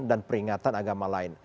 dan peringatan agama lain